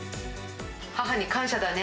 母に感謝だね。